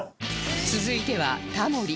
続いてはタモリ